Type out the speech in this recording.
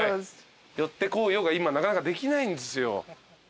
寄ってこうよが今なかなかできないんですよ。